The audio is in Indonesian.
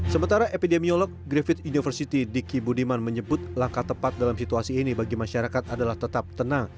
sementara epidemiolog griffith university diki budiman menyebut langkah tepat dalam situasi ini bagi masyarakat adalah tetap tenang